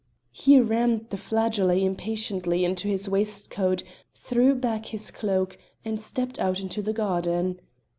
He rammed the flageolet impatiently into his waistcoat, threw back his cloak, and stepped out into the garden.